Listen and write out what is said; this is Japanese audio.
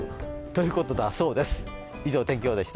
ということだそうです。